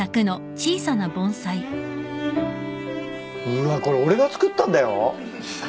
うわこれ俺が作ったんだよ。